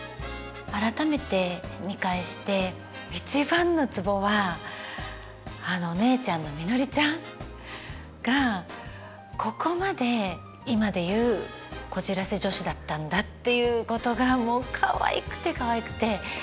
改めて見返して一番のツボはあの姉ちゃんのみのりちゃんがここまで今で言うこじらせ女子だったんだっていうことがもうかわいくてかわいくて。